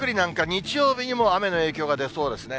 日曜日にも雨の影響が出そうですね。